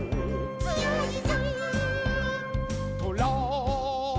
「つよいぞ」